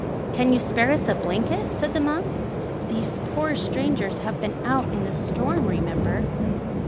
"Can you spare us a blanket?" said the monk. "These poor strangers have been out in the storm, remember."